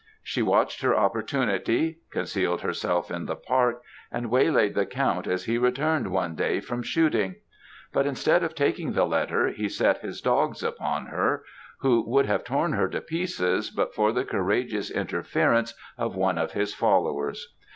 She watched her opportunity; concealed herself in the park, and waylaid the Count as he returned one day from shooting. But instead of taking the letter, he set his dogs upon her, who would have torn her to pieces, but for the courageous interference of one of his followers.